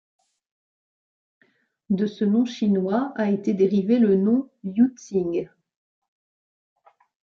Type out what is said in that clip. De ce nom chinois, a été dérivé le nom Yuh Tsing.